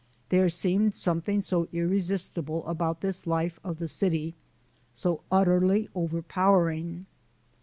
There seemed something so irresistible about this life of the city, so utterly overpowering.